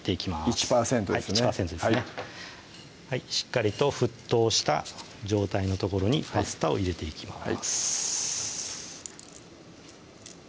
１％ですね１％ですねしっかりと沸騰した状態のところにパスタを入れていきます